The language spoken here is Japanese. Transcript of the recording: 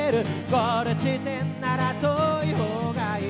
「ゴール地点なら遠い方がいい